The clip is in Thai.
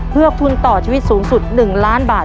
เพื่อทุนต่อชีวิตสูงสุด๑ล้านบาท